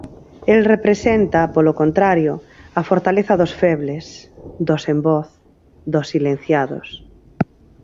El representa, polo contrario, a fortaleza dos febles, dos sen voz, dos silenciados.